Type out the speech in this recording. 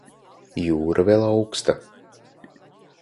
Jūra vēl auksta.